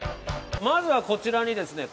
まずはこちらにですね